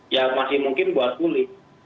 ya masih mungkin buat publik